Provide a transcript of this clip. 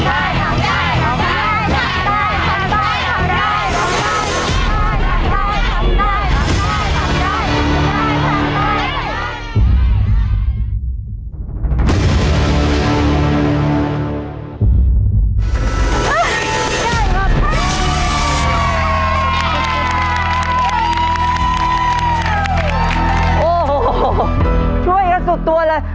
โอ้โหช่วยกันสุดตัวเลย